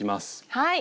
はい。